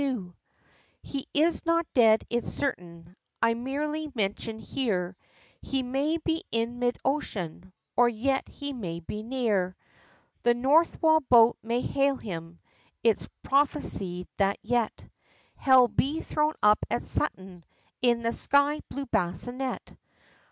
He is not dead, it's certain, I'll merely mention here, He may be in mid ocean, or yet he may be near, The north wall boat may hail him, it's prophesied that yet, Hell be thrown up at Sutton, in the sky blue bassinet.